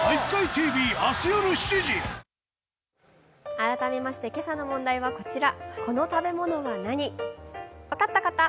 改めまして今朝の問題はこちら。